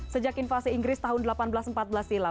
sejak invasi inggris tahun seribu delapan ratus empat belas silam